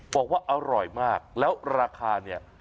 บอกว่าอร่อยมากแล้วราคาเนี่ย